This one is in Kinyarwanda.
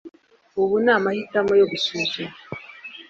Ubu ni amahitamo yo gusuzuma